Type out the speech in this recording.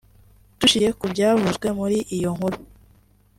Dushingiye ku byavuzwe muri iyo nkuru